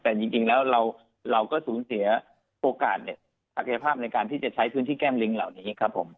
แต่จริงแล้วเราก็สูญเสียโอกาสศักยภาพในการที่จะใช้พื้นที่แก้มลิงเหล่านี้ครับผม